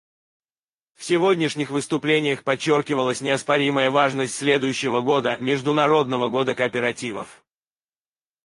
В сегодняшних выступлениях подчеркивалась неоспоримая важность следующего года, Международного года кооперативов.